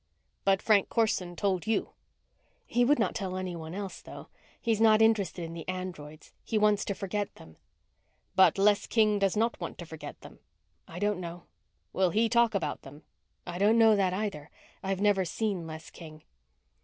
"But Frank Corson told you." "He would not tell anyone else, though. He is not interested in the androids. He wants to forget them." "But Les King does not want to forget them?" "I don't know." "Will he talk about them?" "I don't know that, either. I have never seen Les King."